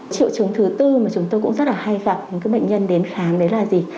triệu chứng thứ tư mà chúng tôi cũng rất hay gặp những bệnh nhân đến khám đó là gì